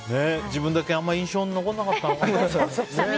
自分だけあんま印象に残らなかったのかなって。